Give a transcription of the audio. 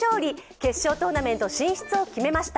決勝トーナメント進出を決めました。